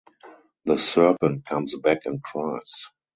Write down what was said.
The serpent comes back and cries.